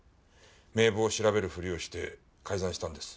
名簿を調べるふりをして改ざんしたんです。